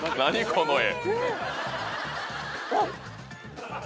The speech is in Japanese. この絵。